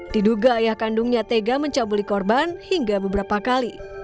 diduga ayah kandungnya tega mencabuli korban hingga beberapa kali